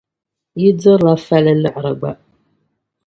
Yi dirila fali liɣiri gba.